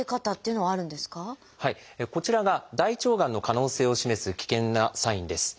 こちらが大腸がんの可能性を示す危険なサインです。